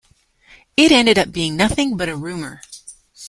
It ended up being nothing but a rumor.